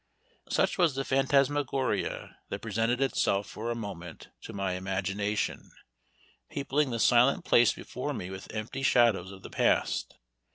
Such was the phantasmagoria that presented itself for a moment to my imagination, peopling the silent place before me with empty shadows of the past.